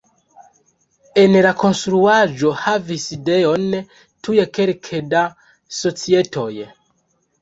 En la konstruaĵo havis sidejon tuj kelke da societoj.